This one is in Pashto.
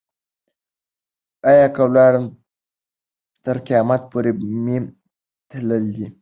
او که ولاړم تر قیامت پوري مي تله دي.